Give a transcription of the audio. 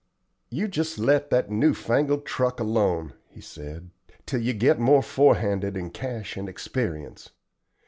"You jest let that new fangled truck alone," he said, "till you get more forehanded in cash and experience.